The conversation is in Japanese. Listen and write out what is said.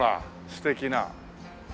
素敵な。